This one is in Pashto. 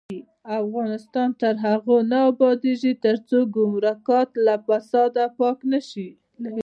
افغانستان تر هغو نه ابادیږي، ترڅو ګمرکات له فساده پاک نشي.